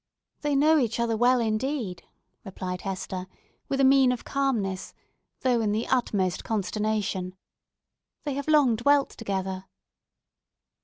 "They know each other well, indeed," replied Hester, with a mien of calmness, though in the utmost consternation. "They have long dwelt together."